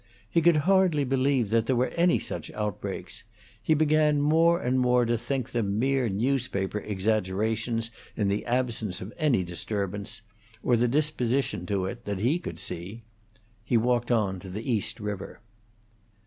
He could hardly believe that there were any such outbreaks; he began more and more to think them mere newspaper exaggerations in the absence of any disturbance, or the disposition to it, that he could see. He walked on to the East River.